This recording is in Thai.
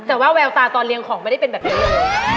แต่ว่าแววตาตอนเรียงของไม่ได้เป็นแบบนี้เลย